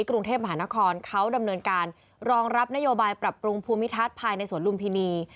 กรุงเทพมหานครเขาดำเนินการรองรับนโยบายปรับปรุงภูมิทัศน์ภายในสวนลุมพินี